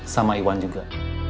sama iwan juga